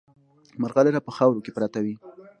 مرغلره په خاورو کې پرته وي.